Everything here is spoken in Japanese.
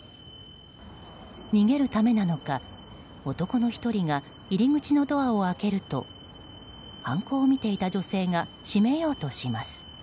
逃げるためなのか男の１人が入り口のドアを開けると犯行を見ていた女性が閉めようとします。